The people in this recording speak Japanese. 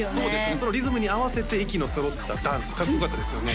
そのリズムに合わせて息の揃ったダンス格好よかったですよね